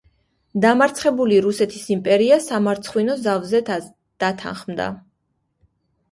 დამარცხებული რუსეთის იმპერია სამარცხვინო ზავზე დათანხმდა.